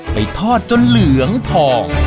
ไปทอดจนเหลืองทอง